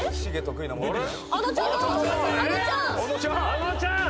あのちゃんだ！